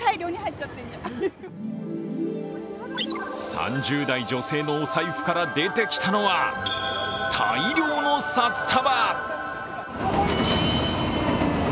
３０代女性のお財布から出てきたのは大量の札束。